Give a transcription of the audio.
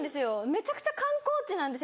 めちゃくちゃ観光地なんです